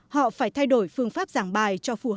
họ phải thay đổi phương pháp giảng bài cho phụ huynh